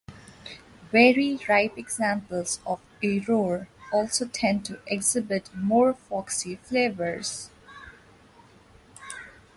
Very ripe examples of Aurore also tend to exhibit more "foxy" flavors.